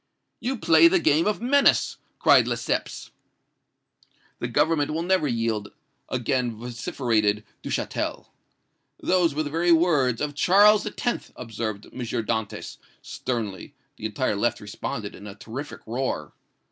"'You play the game of menace!' cried Lesseps. "'The Government will never yield!' again vociferated Duchatel. "'Those were the very words of Charles X.!' observed M. Dantès, sternly. The entire left responded in a terrific roar.